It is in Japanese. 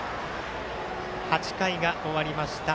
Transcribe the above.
８回が終わりました。